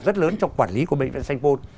rất lớn trong quản lý của bệnh viện sanh pôn